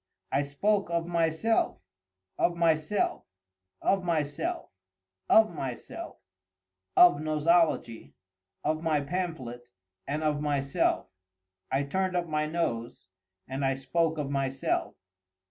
I spoke of myself;—of myself, of myself, of myself;—of Nosology, of my pamphlet, and of myself. I turned up my nose, and I spoke of myself.